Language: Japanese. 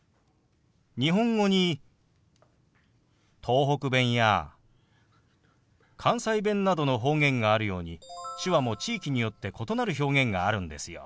日本語に東北弁や関西弁などの方言があるように手話も地域によって異なる表現があるんですよ。